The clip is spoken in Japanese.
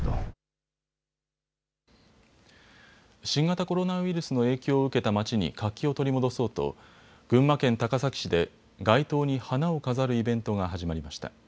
新型コロナウイルスの影響を受けた街に活気を取り戻そうと群馬県高崎市で街頭に花を飾るイベントが始まりました。